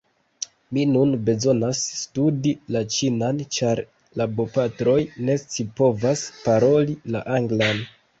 Mi nun bezonas studi la ĉinan ĉar la bopatroj ne scipovas paroli la anglan.